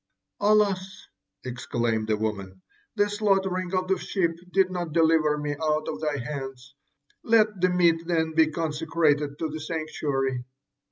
'Alas!' exclaimed the woman, 'The slaughtering of the sheep did not deliver me out of thy hands! Let the meat then be consecrated to the sanctuary.'